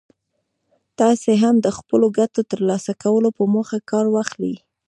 تاسې هم د خپلو ګټو ترلاسه کولو په موخه کار واخلئ.